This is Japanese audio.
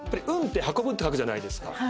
運って運ぶって書くじゃないですか。